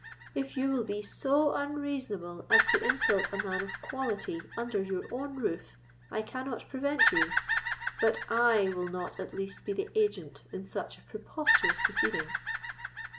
If you will be so unreasonable as to insult a man of quality under your own roof, I cannot prevent you; but I will not at least be the agent in such a preposterous proceeding."